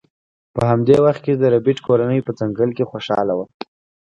په همدې وخت کې د ربیټ کورنۍ په ځنګل کې خوشحاله وه